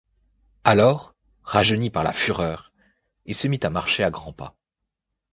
Alors, rajeuni par la fureur, il se mit à marcher à grands pas.